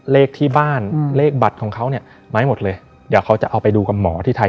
เลขที่บ้านเลขบัตรของเขาเนี่ยไม้หมดเลยเดี๋ยวเขาจะเอาไปดูกับหมอที่ไทย